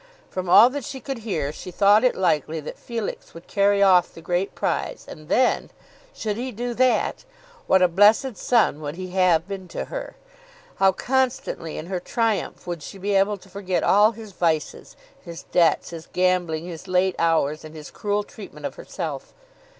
From all that she could hear, she thought it likely that Felix would carry off the great prize; and then, should he do that, what a blessed son would he have been to her! How constantly in her triumph would she be able to forget all his vices, his debts, his gambling, his late hours, and his cruel treatment of herself!